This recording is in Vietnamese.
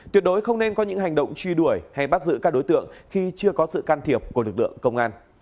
tuyệt đối không nên có những hành động truy đuổi hay bắt giữ các đối tượng khi chưa có sự can thiệp của lực lượng công an